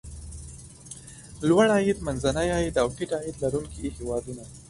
لوړ عاید، منځني عاید او ټیټ عاید لرونکي هېوادونه.